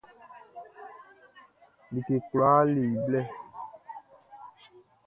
Like kwlaa le i blɛ.